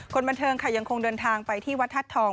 คนบันเทิงค่ะยังคงเดินทางไปที่วัดธาตุทอง